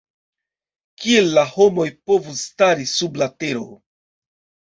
Kiel la homoj povus stari sub la tero?